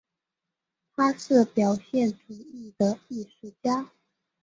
他是表现主义的艺术家。